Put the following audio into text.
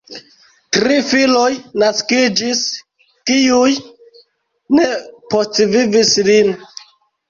Tri filoj naskiĝis, kiuj ne postvivis lin.